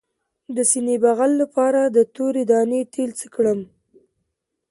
د سینې بغل لپاره د تورې دانې تېل څه کړم؟